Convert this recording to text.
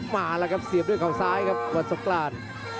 มาแล้วครับเสียบด้วยเขาซ้ายครับวันสงกราน